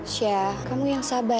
sya kamu yang sabar ya